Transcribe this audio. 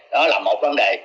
đó là một vấn đề